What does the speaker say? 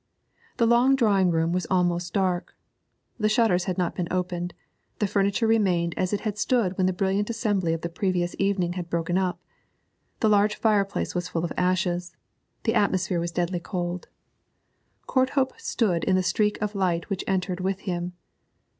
The long drawing room was almost dark; the shutters had not been opened; the furniture remained as it had stood when the brilliant assembly of the previous evening had broken up; the large fireplace was full of ashes; the atmosphere was deadly cold. Courthope stood in the streak of light which entered with him.